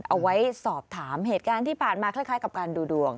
เอาไว้สอบถามเหตุการณ์ที่ผ่านมาคล้ายกับการดูดวง